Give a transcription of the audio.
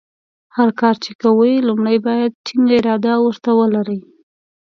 هر کار چې کوې لومړۍ باید ټینګه اراده ورته ولرې.